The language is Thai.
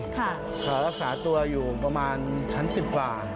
เขารักษาตัวอยู่ประมาณชั้น๑๐กว่า